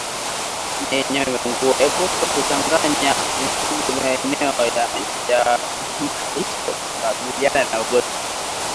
Epuka kuchanganya mifugo maeneo yamalisho kukabiliana na ugonjwa